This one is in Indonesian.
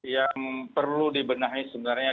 yang perlu dibenahi sebenarnya